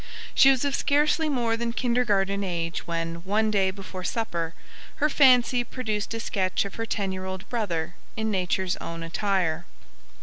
She was of scarcely more than kindergarten age when, one day before supper, her fancy produced a sketch of her ten year old brother in nature's own attire.